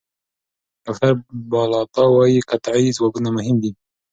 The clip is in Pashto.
ډاکټر بالاتا وايي قطعي ځوابونه مهم دي.